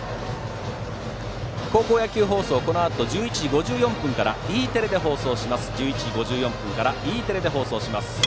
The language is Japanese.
高校野球放送はこのあと１１時５４分からＥテレで放送します。